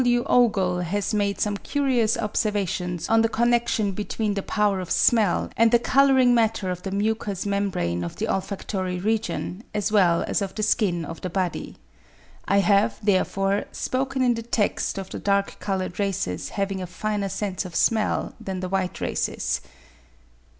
W. Ogle has made some curious observations on the connection between the power of smell and the colouring matter of the mucous membrane of the olfactory region as well as of the skin of the body. I have, therefore, spoken in the text of the dark coloured races having a finer sense of smell than the white races.